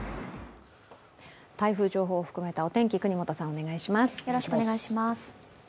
台風情報を含めたお天気、國本さん、お願いします。